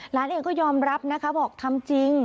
หลานเองก็ยอมรับนะคะบอกทำจริง